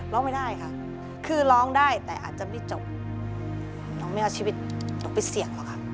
ร้องไม่ได้ค่ะคือร้องได้แต่อาจจะไม่จบน้องไม่เอาชีวิตน้องไปเสี่ยงหรอกค่ะ